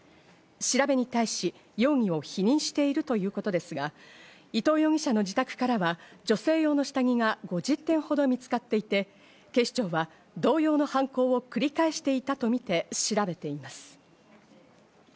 調べに対し、容疑を否認しているということですが、伊藤容疑者の自宅からは女性用の下着が５０点ほど見つかっていて、警視庁は同様の犯行を繰り返していたとみて調べています。